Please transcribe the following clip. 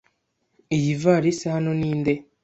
Iyi ivarisi hano ni nde?